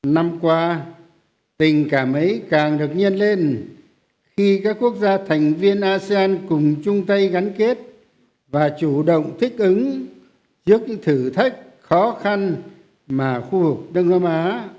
năm qua tình cảm ấy càng được nhiên lên khi các quốc gia thành viên asean cùng chung tay gắn kết và chủ động thích ứng trước những thử thách khó khăn mà khu vực đông nam á